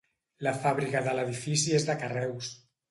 La fàbrica de l'edifici és de carreus.